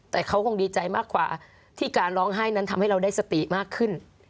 แต่เขาคงดีใจมากกว่าที่การร้องไห้นั้นทำให้เราได้สติมากขึ้น